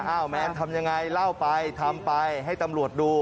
แมนทำยังไงเล่าไปทำไปให้ตำรวจดู